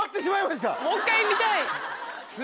もう一回見たい。